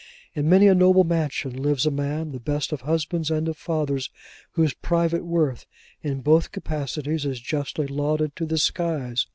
In many a noble mansion lives a man, the best of husbands and of fathers, whose private worth in both capacities is justly lauded to the skies.